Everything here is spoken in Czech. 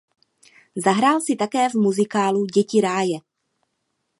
Zahrál si také v muzikálu Děti ráje.